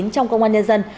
trong công an nhân dân